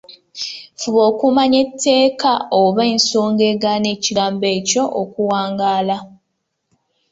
Fuba okumanya etteeka oba ensonga egaana ekigambo ekyo okuwangaala.